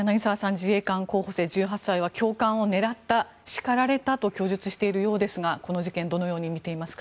自衛官候補生１８歳は教官を狙った、叱られたと供述しているようですがこの事件をどのように見ていますか？